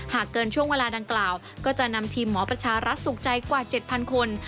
หากเกินช่วงเวลาดังกล่าวก็จะนำทีมหมอประชารัฐสุขใจกว่า๗๐๐คน